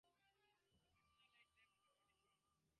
A total of eight teams are competing in the knockout stage.